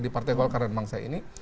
di partai golkar dan bangsa ini